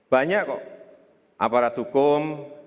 banyak kok aparat hukum